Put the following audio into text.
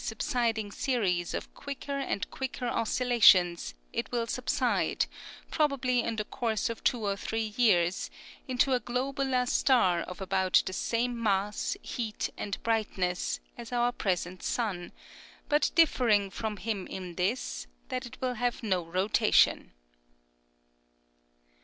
] io8 Publications of the subsiding series of quicker and quicker oscillations it will subside, probably in the course of two or three years, into a globular star of about the same mass, heat and brightness, as our present sun, but differing from him in this, that it will have no rotation.